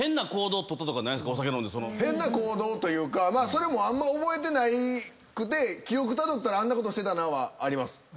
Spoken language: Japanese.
それもあんま覚えてなくて記憶たどったらあんなことしてたなはあります。